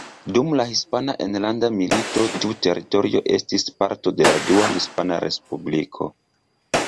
Dum la Hispana Enlanda Milito tiu teritorio estis parto de la Dua Hispana Respubliko.